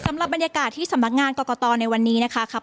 สำหรับบรรยากาศที่สำนักงานกรกตในวันนี้นะคะ